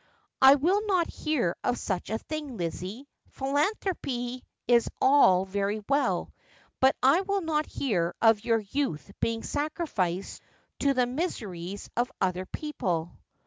' I will not hear of such a thing, Lizzie. Philanthropy is all very well, but I will not hear of your youth being sacrificed to the miseries of other people.'